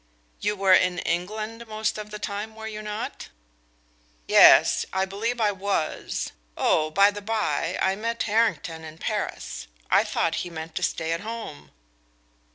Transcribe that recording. "You were in England most of the time, were you not?" "Yes I believe I was. Oh, by the bye, I met Harrington in Paris; I thought he meant to stay at home."